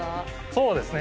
そうですね。